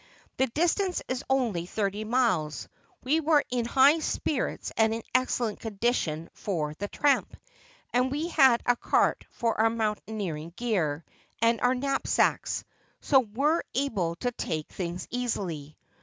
The distance is only thirty miles, we were in high spirits and in excellent condition for the tramp, and we had a cart for our mountaineering gear, and our knapsacks, so were able to take things easily.